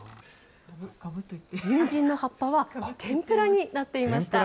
ニンジンの葉っぱは天ぷらになっていました。